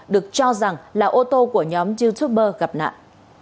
được cho rằng là ô tô của nhóm youtuber gặp nạn